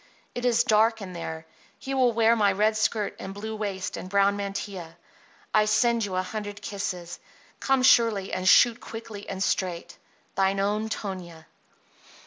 It is dark in there. He will wear my red skirt and blue waist and brown mantilla. I send you a hundred kisses. Come surely and shoot quickly and straight. THINE OWN TONIA.